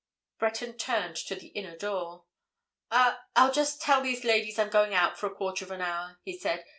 Breton turned to the inner door. "I'll—I'll just tell these ladies I'm going out for a quarter of an hour," he said.